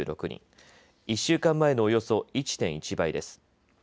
１週間前のおよそ１．１倍です。